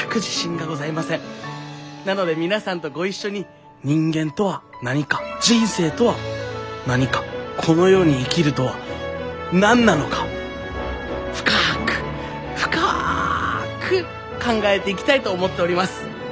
なので皆さんとご一緒に人間とは何か人生とは何かこの世に生きるとは何なのかを深く深く考えていきたいと思っております。